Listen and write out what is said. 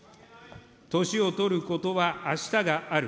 年を取ることはあしたがある。